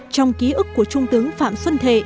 trong ký ức của trung tướng phạm xuân thệ